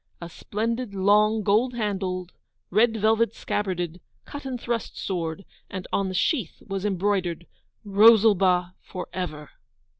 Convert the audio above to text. A splendid long, gold handled, red velvet scabbarded, cut and thrust sword, and on the sheath was embroidered 'ROSALBA FOR EVER!